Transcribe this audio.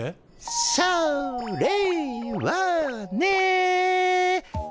それはね。